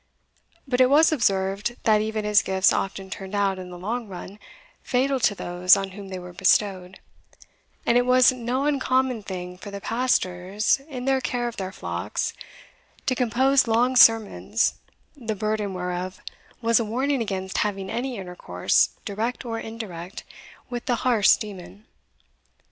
But it was observed that even his gifts often turned out, in the long run, fatal to those on whom they were bestowed, and it was no uncommon thing for the pastors, in their care of their flocks, to compose long sermons, the burden whereof was a warning against having any intercourse, direct or indirect, with the Harz demon.